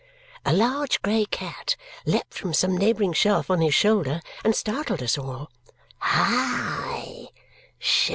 A large grey cat leaped from some neighbouring shelf on his shoulder and startled us all. "Hi!